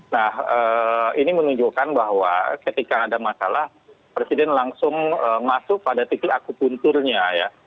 nah ini menunjukkan bahwa ketika ada masalah presiden langsung masuk pada titik akupunturnya ya